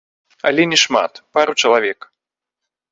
Але не шмат, пару чалавек.